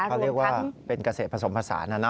เขาเรียกว่าเป็นกระเศษผสมผสานนะ